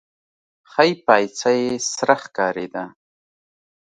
ښۍ پايڅه يې سره ښکارېده.